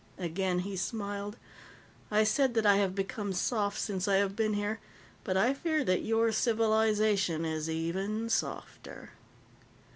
Again he smiled. "I said that I have become soft since I have been here, but I fear that your civilization is even softer."